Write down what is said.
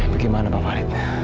bagaimana pak pak rit